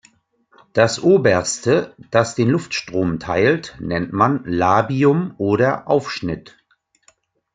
Das oberste, das den Luftstrom teilt, nennt man Labium oder Aufschnitt.